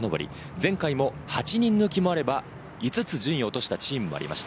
前回も８人抜きもあれば、５つ順位を落としたチームもありました。